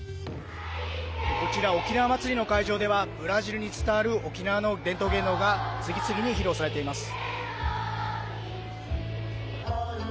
こちら、おきなわ祭りの会場ではブラジルに伝わる沖縄の伝統芸能が次々に披露されています。